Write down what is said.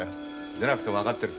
出なくても分かってる。